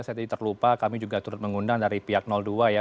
saya tadi terlupa kami juga turut mengundang dari pihak dua ya